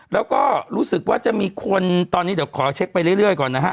แล้วก็รู้สึกว่าจะมีคนตอนนี้เดี๋ยวขอเช็คไปเรื่อยก่อนนะฮะ